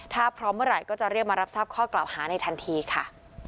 ถ้าพร้อมเมื่อไหร่ก็จะเรียกมารับทราบข้อกล่าวหาในทันทีค่ะ